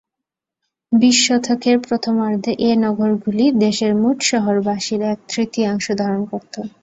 বিশ শতকের প্রথমার্ধে এ নগরগুলি দেশের মোট শহরবাসীর এক-তৃতীয়াংশ ধারণ করত।